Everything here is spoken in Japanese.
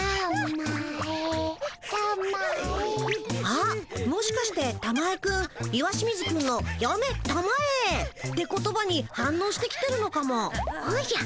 あっもしかしてたまえくん石清水くんの「やめたまえ」って言葉に反のうして来てるのかも。おじゃ。